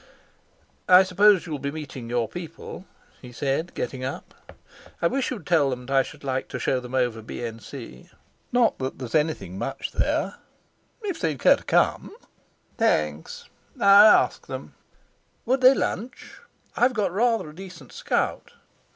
"I suppose you'll be meeting your people?" he said, getting up. "I wish you'd tell them I should like to show them over B.N.C.—not that there's anything much there—if they'd care to come." "Thanks, I'll ask them." "Would they lunch? I've got rather a decent scout."